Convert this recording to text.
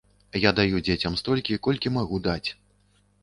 Я даю дзецям столькі, колькі магу даць.